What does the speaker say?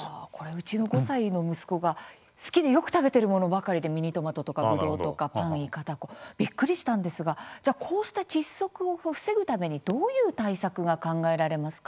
うちの５歳の息子が好きでよく食べているものばかりで、ミニトマトとかぶどうとか、パン、いか、たこびっくりしたんですがこうした窒息を防ぐためにどういう対策が考えられますか。